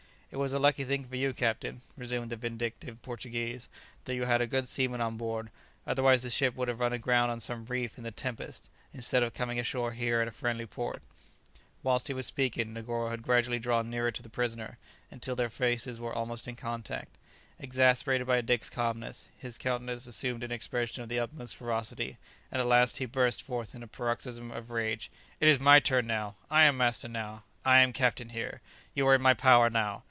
"It was a lucky thing for you, captain," resumed the vindictive Portuguese, "that you had a good seaman on board, otherwise the ship would have run aground on some reef in the tempest, instead of coming ashore here in a friendly port." [Illustration: "Your life is in my hands!"] Whilst he was speaking, Negoro had gradually drawn nearer to the prisoner, until their faces were almost in contact. Exasperated by Dick's calmness, his countenance assumed an expression of the utmost ferocity, and at last he burst forth in a paroxysm of rage. "It is my turn now! I am master now! I am captain here! You are in my power now!